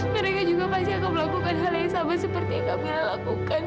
mereka juga pasti akan melakukan hal yang sama seperti yang kami lakukan